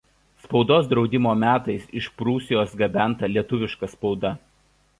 Spaudos draudimo metais iš Prūsijos gabenta lietuviška spauda.